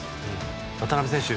渡邊選手